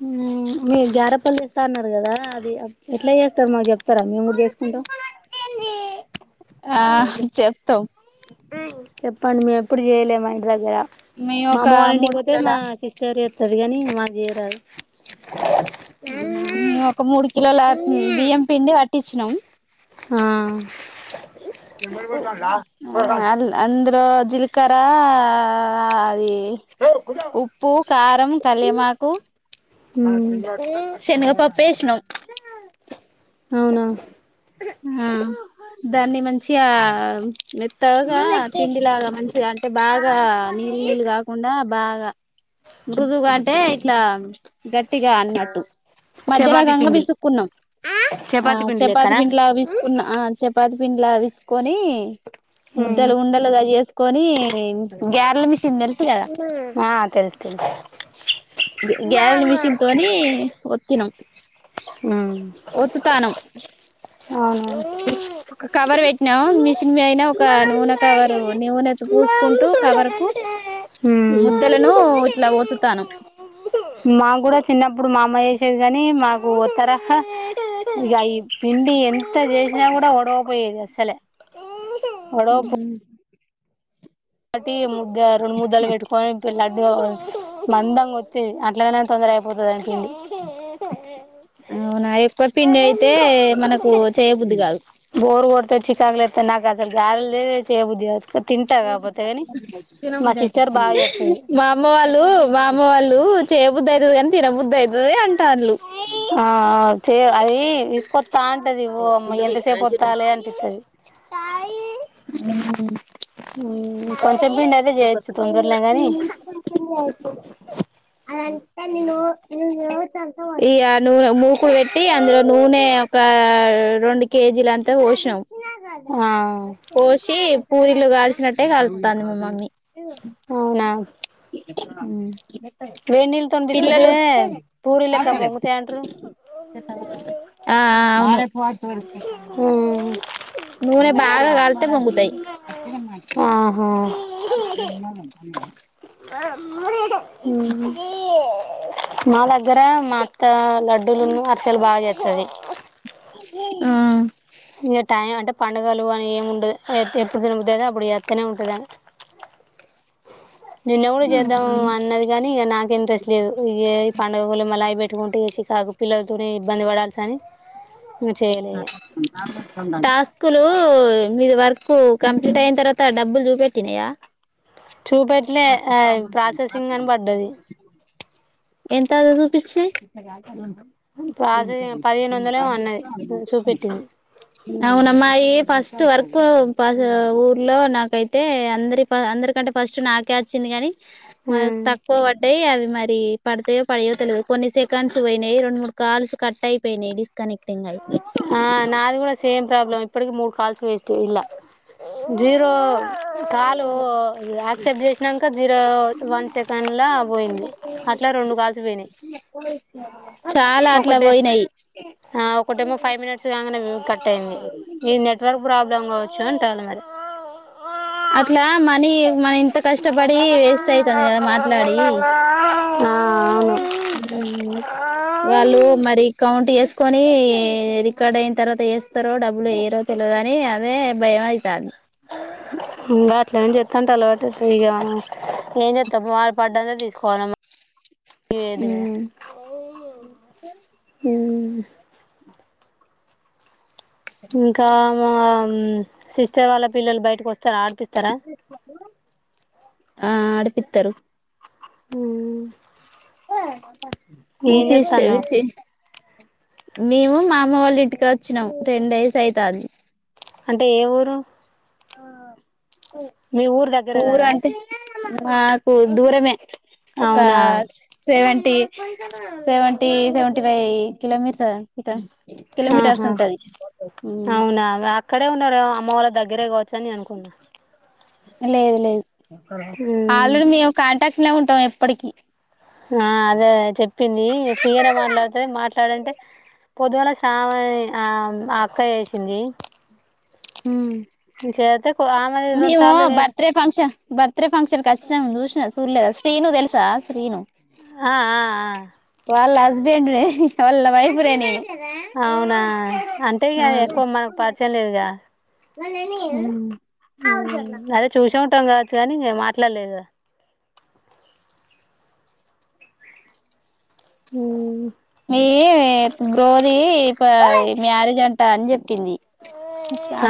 హ్మ్మ్ మీగా దాపల్లి ఇస్తా అన్నారు కదా [unintelligible] ఎట్లా చేస్తారు మాకు చెప్తారా మేము కూడా చేసు ఉంటాం ఆ చెప్తాం పని మేము ఎప్పుడు చేయలే మా ఇంటి దగ్గర మేం ఒక మూడు కిలోలా తదిగని మాకు జ మేమ్ ఒక మూడు కిలోల బియ్యం పిండి పట్ ట్టిచ్చినం ఆ అ అంద్రో జీలకర అది ఉప్పు కారం కలియమాకు మ్మ్ శనగపప్పు ఏస్నాం వునా దాన్ని మం చిగా మెత్తగా పిండి లాగా మంచిగా అంటే బాగా నీళ్లు నీళ్లు గాకుండా బాగా మృదువుగా అంటే ఇట్లా గట్టిగా అన్నట్టు చపాతి మధ్యరగంగా పిండిలు పిసుక్కున్నాం ఆ చపాతి పిండి చపాతి లెక్కనా పిండ్ల పిసుకున్న ఆ చపాతి పిండ్ లా విసుకొని మ్మ్ ముద్దలు ఉండలుగాజస్త కొని గార్నిష్ ఆ తెల్స్ తెలు [inaudible] గారెల మిషన్ తోని ఒత్తినం మ్మ్ ఒత్తుతాను అవునా ఒక కవర్ పెట్టినాము మిషన్ అయినా ఒక నూనె కవరు నూనెత పూసుకుంటూ కవర్ కు ముద్దలను ఇట్లా ఒత్తుతాను మా కూడా చిన్నప్పుడు మా అమ్మ వేసేది కాని మా తర ఇ ఈ పిండి ఎన్ ఇస్త చేసినా కూడా ఓడవపోయేది అసలే ఏ ఉమ్ పోటి ముద్ద రెండు ముద్దలు పెట్టుకొని పిల్ల అడ్డు మందం గోతి అట్లాగనే తొందర అయిపోతుందని అవునా ఎక్కువ పిండి అయితే మనకు చేయబుద్ది కాదు బోర్ కొడితే చికాకు లేస్తే నాకసలు గాలో లేకుంటే చేయబుద్ది కాదు తింటా కాకపోతే కాని కు మా తినబుద్ది సిస్టర్ బాగా అయితండి చేత్తది బాదం పాలు లో వా వాళ్ళు చేయ బుద్ధి అయితది గానీ తినబుద్ధి అయింది ఓయ్ అంటాళ్ళు చేయ్ అది విసుకొత్తంటది ఓ అమ్మ ఎంతసేపు వోత్తాలె అనిపిత్తది. [inaudible] మ్మ్ కొంచెం పిండి అయితే చేయొచ్చు తొందరనే గాని ఈ ఆ నూ మూకుడు పెట్టి అందులో నూనె ఒక రొండు కేజీలంతా పోసినం ఆ పోసి పూరీలు కాల్చినట్టే కాలుత్తంది మా మమ్మీ. అవునా [inaudible] ఉమ్ వేడి నీళ్ళతోని పిసుకుతే పిల్లలు పూరి లెక్క పొంగుతాయి అంటరు ఆ మ్మ్ నూనె బాగా గాల్తే పొంగుతయి. ఆహా అదే మా దగ్గర మా అత్త లడ్డూలును అరిసెలు బాగ చేత్తది. ఆ ఇంగ టైం అంటే పండుగలు అని ఏమి ఉండదు. ఎప్పు ఎప్పుడు తినబుద్ధి అయితె అబ్బుడు చేత్తనే ఉంటది ఆమె నిన్నగూడ చేద్దాం అన్నది కానీ, ఇక నాకె ఇంట్రెస్ట్ లేదు ఈ పండుగవలె మళ్ళ అవి పెట్టుకుంటే ఇగ చికాకు పిల్లలతోనే ఇబ్ ఇబ్బంది పడాల్సి అని ఇంగ చేయలే ఇగ టాస్కులు మీది వర్కు కంప్లీట్ అయిన తర్వాత డబ్బులు చూపెట్టినయా? చూపెట్లే ఆ ప్రాసెసింగ్ అని పడ్డది. ఎంతద్ చూపిచ్చి ప్రాసెసింగ్ పదిహేను వందలేమో అన్నది చూపెట్టింది అ అవునా మాయి ప ఫస్ట్ వర్క్ ప ఊర్లో నాకైతే అందరి ప అందరికంటే ఫస్ట్ నాకే అచ్చింది కాని, మరి తక్కువ పడ్డయి అవి మరి పడితయో పడయో తెలిదు కొన్ని సెకండ్స్ పోయినయి. రెండు మూడు కాల్స్ కట్ అయిపోయినాయి డిస్కనెక్ట్ంగ్ అయి ఆ నాది గూడ సేమ్ ప్రాబ్లం. ఇప్పటికి మూడు కాల్స్ వేస్ తూల్ల జీరో కాలు యాక్సెప్ట్ చేసినంక జీరో వన్ సెకండ్లా పోయింది. అట్ల రొండు కాల్స్ పోయినాయి. చాలా అట్లా ఒకటే పోయినాయి ఆ ఒకటేమో ఫైవ్ మినిట్స్ కాంగనే కట్ అయింది. ఇది నెట్వర్క్ ప్రాబ్లమ్ కావచ్చు. చోంటాల మరి అట్లా మనీ మనం ఇంత కష్టపడి వేస్ట్ అవుతుంది కదా మాట్లాడి ఆ అవును వాళ్ళు మరి కౌంట్ చేసుకొని రికార్డ్ అయిన తర్వాత వేస్తారో డబ్బులు వేయరో తెలియదు అని అదే భయమై తాంది తంటాలు పడి పోతయిగా ఏం చేత్తం మారు పడ్డాంత తీసుకోవాల ఇ వేదుగా ఉమ్ అ ఇంకా మా సిస్టర్ వాళ్ళ పిల్లలు బయటికి వస్ ఆ ఆడిపిత్తరు హ్మ్ విసి స విసి మేము మా అమ్మ వాళ్ళ ఇంటికి వచ్చినాం రెంేస్ అయితుంది అంటే ఏ ఊరు ఆ మీ ఊరు దగ్గరే కదా మాకు దూరమే ఒక అవునా సెవెంట సెవెంట సెవెంట ఫైవ్ కిలోమీటర్ ఇక్క ఆహా మ్ అవునా అక్కడే ఉన్నారుార అమ్మ వాళ్ళ దగ్గరే కావచ్చు అని అనుకున్నా లేదు లేదు ఉమ్ ఆల్రెడీ మేము కాంటాక్ట్ లా ఉంటాం ఎప్పటికిీ ఆ అదే చెప్పింది ఫీగానే మాట్లాడుతది మాట్లాడంటే పొదుగాల సామ ఎ ఆ అక్క ఏసింది ఆమె రెండు మేము సార్లు బర్త్డే ఫంక్షన్ బర్త్డే ఫంక్షన్కి కచ్చినాం చూసినా చూడలేదా శ్రీను తెలుసా శ్రీను ఆ ఆ ఆ వాళ్ళ హస్బెండ్ నే వాళ్ళ వైఫ్ రే నీ అవునా అంటే ఇగ ఎక్కువ మనకు పరిచయం లేదుగా నేని అదే చూసే ఉంటాంగ కాని ఇంగ మాట్లాడలేదు ఉ మీ ఈ బ్రోది ఇ ప మ్యారేజ్ అన్ ట అని చెప్పింది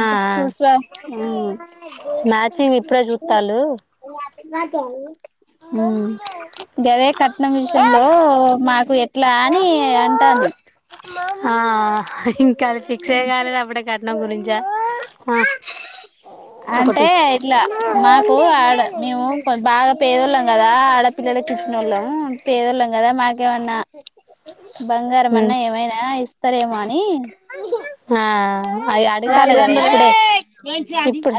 ఆ ఆ చూస్ వా మ్యాచింగ్ ఇప్పుడే నా తను చూత్తాళ్ళు గదే కట్నం విషయంలో మాకు ఎట్లా నీ అంటాంది ఆ ఇంకా అది ఫిక్స్ ఏ కాలేదు అప్పుడే కట్నం గురించా అంటే ఒకటి ఇట్లా మాకు ఆడ మేము బాగా పేదోళ్ళం కదా ఆడపిల్లల కి ఇచ్చినోళ్ళం పేదోళ్ళం కదా మాక్ ఏమన్నా బంగారమన్న ఏమైనా ఇస్తారేమో అన్ ఇ ఆ అది అడగాలి కదా ఇప్పుడే తల్లిదండ్రుల్ ఇప్పుడు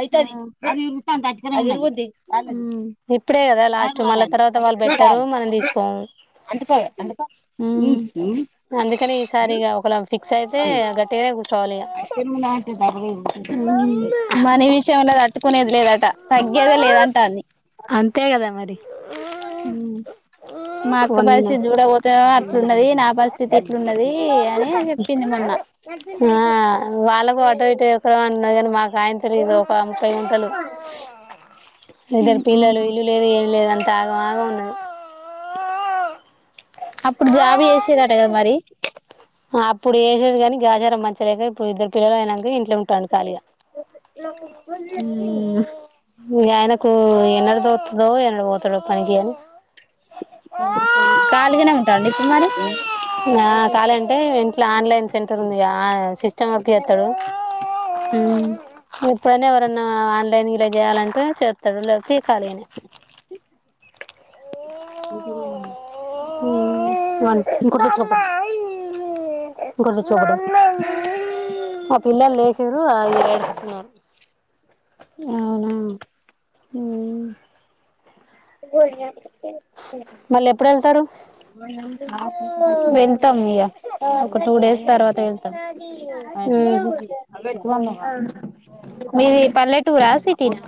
హు అది ఇరుగుద్ది ఇప్పుడే కదా లాస్ట్ మళ్ళా తర్వాత వాళ్ళు హుమ్ పెట్టరు మనం తీసుకోము మ్మ్ అందుకని ఈసారి ఇగ ఒకలా ఫి క్స్ అయితే గట్టిగానే కూసో మనీ విషయంలా ఉన్న తట్టుకునేది లే లేదట తగ్గేదే లేదంటా అన్ని అంతే కదా మరి మా అక్క పోనీనా పరిస్థితి చూడపోతేమో అట్లున్నది నా పరిస్థితి ఇట్లున్నది అని చెప్పింది మొన్న ఆ తాయంత్ లేదు ఒక ముప్పై గుంటలు ఇద్దరు పిల్లలు ఇల్లు లేదు ఏం లేదు అన్ తాగమాగ ఉన్నది అప్పుడు జాబి చేసేదట కదా మరి అప్పుడు చేసేది కాని గాచారం మంచిగలేక ఇప్పుడు ఇద్దరు పిల్లలు అయినాక ఇన్ మ్మ్ కో ఎన్నడుదొతదో ఎన్నడువోతాడో పనికి అని కాళగనే ఉంటాండ ఇప్పుడు మరి నా కాలంటే ఇంట్లో ఆన్లైన్ సెంటర్ ఉందిగా సిస్టమ్ వర్క్ చేత్తడు ఇప్పుడైనా ఎవరన్నా ఆన్లైన్ ఇట్ల చేయాలంటే చేస్తాడు లేతే ఖాళీ గానే హ్మ్ ఇంకోటి తెచ్చుకో పో మా పిల్లలు లేచారు అది ఏడుస్తున్నారు అవునా హ్మ్ [unintelligible] మళ్ళీ ఎప్పుడు వెళ్తారు నేన్ వెళ్తాం ఇగ ఒక టూ డేస్ తర్వాత వెళ్తాం మీది పల్లెటూరా సిటీ నా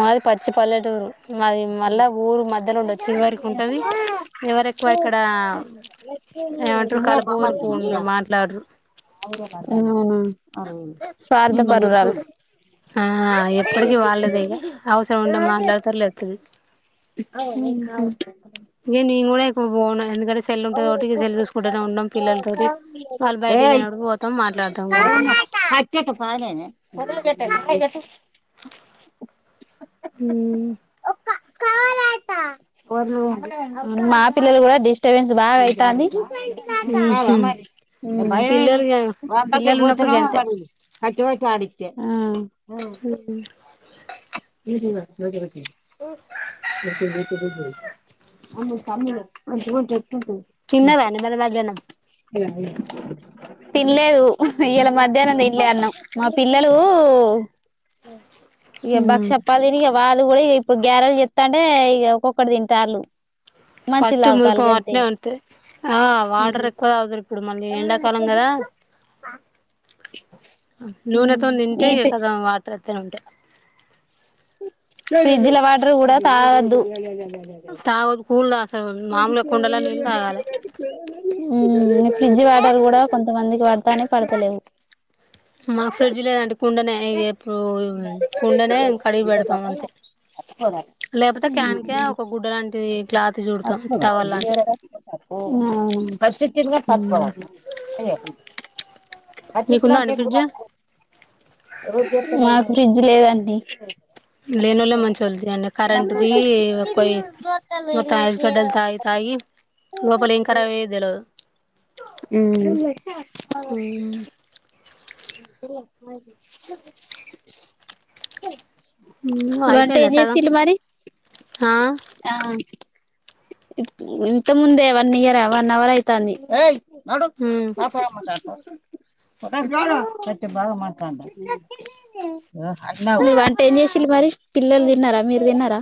మాది ప చి పల్లెటూరు మాది మళ్ళా ఊరు మధ్యలో ఉండదు చివరికి ఉంటది. ఎవరు ఎక్కువ ఇక్కడ ఏమంటారు కలుపు గొలుపు ఉండరు మాట్లాడరు. అవునా హ్మ్ స్వార్థపరురాలు ఆ ఎప్పటికిీ వాళ్ళదే ఇగ అవసరం ఉండే మాట్లాడు తర్ లేతే లేదు మ్మ్ హ్మ్ ఇగ నేనుగూడ ఎ క్కువ పోను ఎందుకంటే సెల్ ఉంటది కాబట్టి ఇగ సెల్ చూసుకుంటనే ఉంటాం పిల్లలతోటి వాళ్ళు బయటికి పోయినప్పుడు పోతాం మాట్లాడతాం గంతే ఉమ్ మ్మ్ మా పిల్లలు కూడా డిస్ టబెన్స్ బాగా అయితాంది ఉహు మ్మ్ పిల్లలు ఇగ పిల్లలు ఉన్నప్పుడు గంతే ఆ హ్మ్ ఇది కూడ నోట్లో బెట్ ఎక్కువబెట్టకూడదే నోర్ముస్కో అమ్మ చుడు చిన్నవ్యాని మరి మధ్యాహ్నం తినలేదు ఇయాల మధ్యాహ్నం తినలే అన్నం మా పిల్లలు ఇ ఉమ్ బక్షప్పాలని వాళ్లు కూడా ఇ ఇప్పుడు గ్యారెలు చెస్తాంటే ఇక ఒక్కొక్కటి తింటారులు మంచిల్ తావుతా అల్గ ఉంత ఆ వాటర్ ఎక్కువ తాగుతారు ఇప్పుడు మళ్ళీ ఎండాకాలం కదా నూనెతో తింటే ఈ కదా వాటర్ పనుంటె ఫ్రిడ్జ్ల వాటర్ కూడా తాగొద్దు తాగాదు కూల్ల [unintelligible] ఉ ఫ్రిడ్జ్ వాటర్ కూడా కొంతమందికి వాడు మాకు ఫ్రిడ్జ్ లేదండి కుండనే ఎప్పుడు కుండనే కడిగి పెడతాం అంతే లేకపోతే క్యాన్కే ఒక గుడ్డ లాంటిది క్లాత్ చుడతాం టవల్ లాంటిది ఉ మీకుందా అండి ఫ్రిడ్జ్ మాకు ఫ్రిజ్ లేదండి లేనుళ్లే మంచోళ్లుతి అండి కరెంట్ది ఎక్కువై మొత్తం కడ్డలు తాగి తాగి లోపల ఎం కారబయే దేల్వాదు తెలవదు ఉ టీవీ ఆయిపెంద సగం హా ఆ ఇ ఇంత ముందే వన్ ఇయర్ వన్ అవర్ అయితాంది నడు ఉమ్ నాప్పమ వంట ఏం చేసిళ్ళు మరి పిల్లలు తిన్నారా మీరు తిన్నారా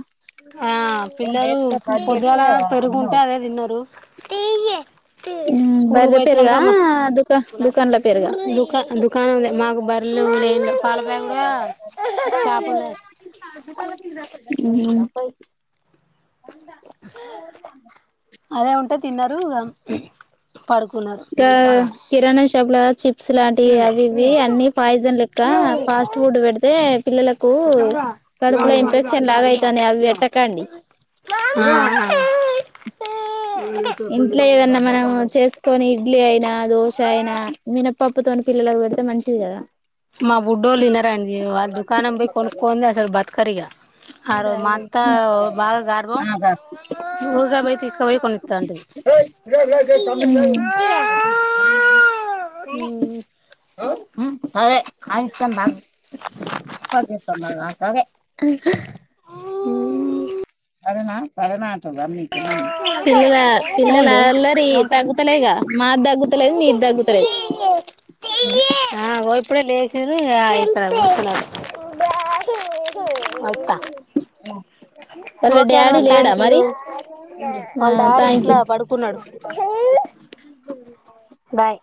ఆ అ పిల్లలు పొద్దుగాల పెరుగుంటే అదే తిన్నరు స్కూల్కు బర్రె పెరుగా పోయాచినంకా మా దుకా దుకాన్ల పెరుగా దుకా దుకానామ్లె మాకు బర్రెలు లేవి ఏం లేవు పాల ప్యాక్ కుడువ షాపుల్నే ఉహు అదే ఉంటే తిన్నరు ఇగ అ గ కిరణం షాపుల చిప్స్ లాంటివి అవి ఇవి అన్ని పాయిజన్ లెక్క ఫాస్ట్ ఫుడ్ పెడితే పిల్లలకు కడుపుల ఇన్ఫెక్షన్ లాగా అయి తంది అవే పేట్టకండి ఆ ఆ ఇంట్ల ఏదన్న మనం చేసి కొనీ ఇడ్లీ అయినా దోశ అయినా మినపప్పుతోని పిల్లలకు పెడితే మంచిది కదా మా బుడ్డోళ్ళ వినరా అండి వాళ్ళ దుకాణం పోయి కొనుక్కోంది అసలు బతుకరిగా ఆ రోజు మా అత్తా బాగా గర్వం ఊగ పోయి తీసుకపోయి కొనిస్తాంటది జాకీ సరే అయిస్త బా పదప్ప మక్కద అరేనా సరనాట అమ్క నమ్ పిల్ల పిల్లల పోండి అల్లరి పో తగ్గుతలేగా మాది తగ్గుతలేదు మీది తగ్గుతలేదు ఆ ఓ ఇప్పుడే లే [unintelligible] ఉన్నా వివిధ ఓకే అన్నమా థాంక్యూ ఆ వాళ్ళ డాడీ థ్యాంక్ ఇంట్లా యూ పడుకున్నాడు బాయ్